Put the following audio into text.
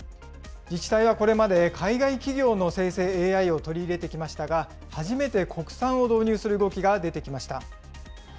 自治体はこれまで海外企業の生成ＡＩを取り入れてきましたが、初めて国産を導入する動きが出てきました。